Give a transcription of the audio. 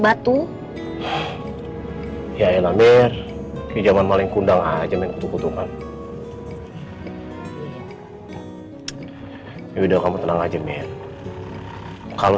gitu ya elah mir di zaman maling kundang aja menutup utungan udah kamu tenang aja mir kalau